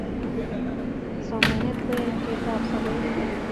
Somanet koyateiwat ab sobet